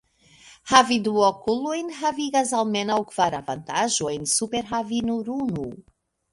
Havi du okulojn havigas almenaŭ kvar avantaĝojn super havi nur unu.